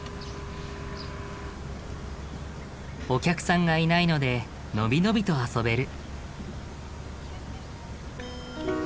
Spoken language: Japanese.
お客さんがいないので伸び伸びと遊べる。